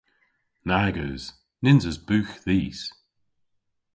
Nag eus. Nyns eus bugh dhis.